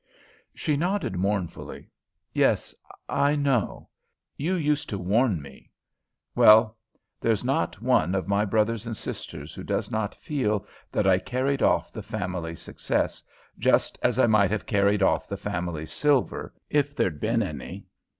She nodded mournfully. "Yes, I know. You used to warn me. Well, there's not one of my brothers and sisters who does not feel that I carried off the family success, just as I might have carried off the family silver, if there'd been any!